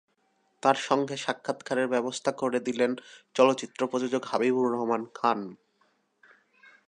তাঁর সঙ্গে সাক্ষাৎকারের ব্যবস্থা করে দিলেন চলচ্চিত্র প্রযোজক হাবিবুর রহমান খান।